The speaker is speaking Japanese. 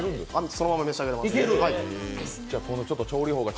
そのまま召し上がれます。